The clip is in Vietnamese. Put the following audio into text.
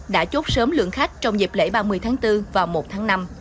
đã chốt sớm lượng khách trong dịp lễ ba mươi tháng bốn và một tháng năm